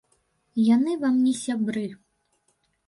Яны вам не сябры.